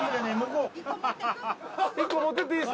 １個持ってっていい？